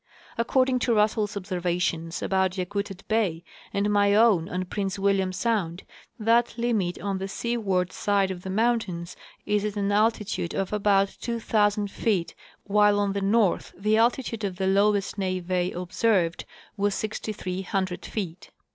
According to Russell's observations about Yakutat bay and my own on Prince William sound, that limit on the seaward side of the mountains is at an altitude of about 2,000 feet, while on the north the altitude of the lowest neve observed was 6,300 feet.